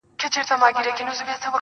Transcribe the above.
د زړه رگونه مي د باد په هديره كي پراته.